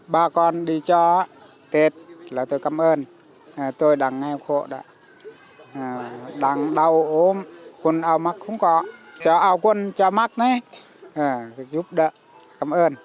ba con đi cho tết là tôi cảm ơn tôi đang nghe khổ đã đang đau ốm khuôn áo mắc không có chờ áo khuôn chờ mắc này giúp đỡ cảm ơn